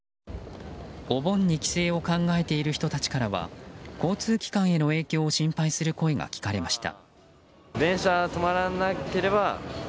お盆に帰省を考えている人たちからは交通機関への影響を心配する声が聞かれました。